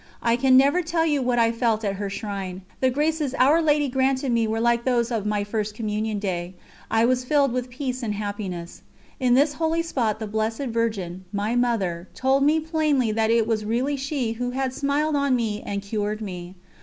I can never tell you what I felt at her shrine; the graces Our Lady granted me were like those of my First Communion Day. I was filled with peace and happiness. In this holy spot the Blessed Virgin, my Mother, told me plainly that it was really she who had smiled on me and cured me.